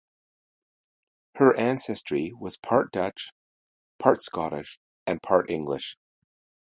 Her ancestry was part Dutch, part Scottish and part English.